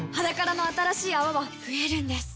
「ｈａｄａｋａｒａ」の新しい泡は増えるんです